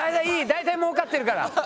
大体もうかってるから。